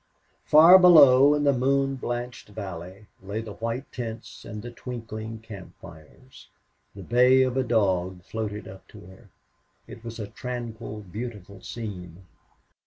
Far below in the moon blanched valley lay the white tents and the twinkling camp fires. The bay of a dog floated up to her. It was a tranquil, beautiful scene.